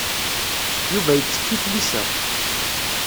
Yuba yettekk i tlisa.